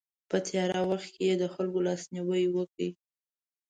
په تیاره وخت کې یې د خلکو لاسنیوی وکړ.